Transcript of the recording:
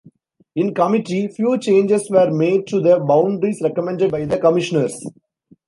In committee few changes were made to the boundaries recommended by the commissioners.